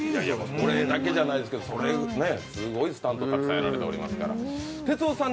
これだけじゃないですけど、すごいスタントたくさんやられてますから。